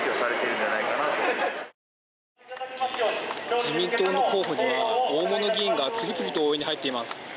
自民党の候補には大物議員が次々と応援に入っています。